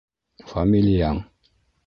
— Фамилияң?